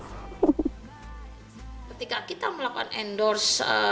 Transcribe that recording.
ketika kita melakukan endorse